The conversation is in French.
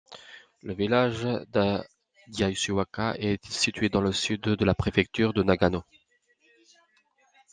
Le village d'Yasuoka est situé dans le sud de la préfecture de Nagano.